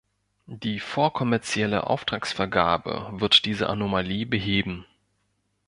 Die vorkommerzielle Auftragsvergabe wird diese Anomalie beheben.